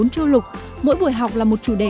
bốn châu lục mỗi buổi học là một chủ đề